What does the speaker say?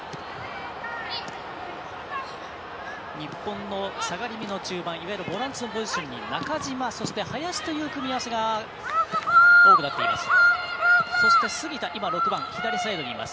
日本の中盤いわゆるボランチのポジションに中島そして、林という組み合わせが多くなっています。